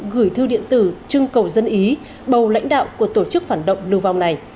gửi thư điện tử trưng cầu dân ý bầu lãnh đạo của tổ chức phản động lưu vong này